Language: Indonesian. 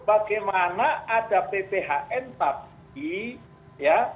bagaimana ada pphn tapi ya